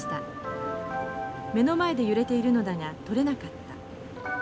目の前で揺れているのだが取れなかった。